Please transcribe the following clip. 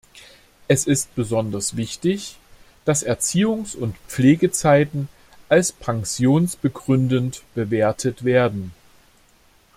Es ist besonders wichtig, dass Erziehungs- und Pflegezeiten als pensionsbegründend bewertet werden.